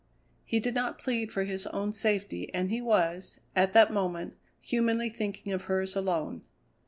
He did not plead for his own safety, and he was, at that moment, humanly thinking of hers alone.